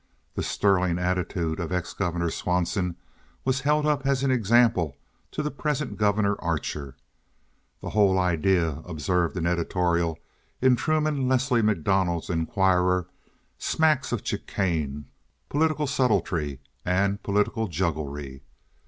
The sterling attitude of ex Governor Swanson was held up as an example to the present Governor Archer. "The whole idea," observed an editorial in Truman Leslie MacDonald's Inquirer, "smacks of chicane, political subtlety, and political jugglery.